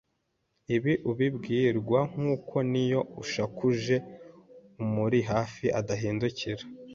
Ibi ubibwirwa nuko n’iyo ushakuje umuri hafi adahindukira